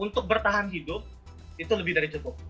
untuk bertahan hidup itu lebih dari cukup